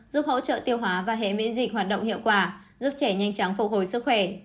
giúp hỗ trợ tiêu hóa và hệ miễn dịch hoạt động hiệu quả giúp trẻ nhanh chóng phục hồi sức khỏe